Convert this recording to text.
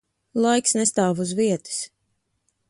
Laiks nestāv uz vietas.